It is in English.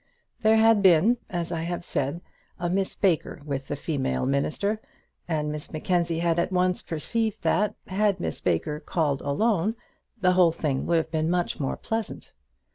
There had been, as I have said, a Miss Baker with the female minister, and Miss Mackenzie had at once perceived that had Miss Baker called alone, the whole thing would have been much more pleasant.